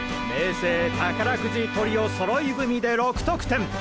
青宝くじトリオそろい踏みで６得点！